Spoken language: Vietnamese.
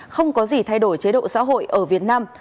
không có gì thay đổi chế độ xã hội ở việt nam